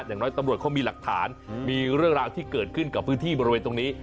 อย่างน้อยตำรวจเขามีหลักฐานมีเรื่องราวที่เกิดขึ้นกับพื้นที่บริเวณตรงนี้